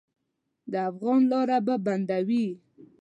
د افغان لاره به بندوي.